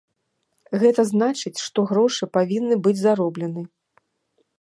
Гэта значыць, што грошы павінны быць зароблены.